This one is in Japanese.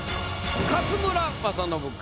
勝村政信か？